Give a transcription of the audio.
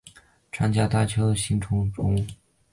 长角大锹形虫生物。